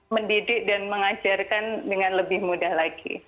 mendidik dan mengajarkan dengan lebih mudah lagi